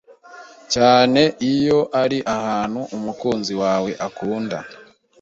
cyane iyo ari ahantu umukunzi wawe akunda